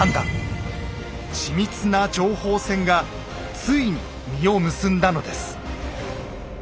緻密な情報戦がついに実を結んだのです。